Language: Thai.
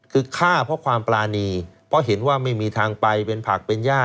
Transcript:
คือฆ่าเพราะความปรานีเพราะเห็นว่าไม่มีทางไปเป็นผักเป็นย่า